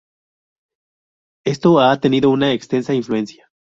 Esto ha tenido una extensa influencia.